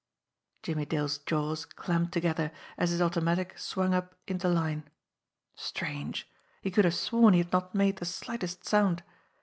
Jimmie Dale's jaws clamped together, as his automatic swung up into line. Strange ! He could have sworn he had not made the slightest sound.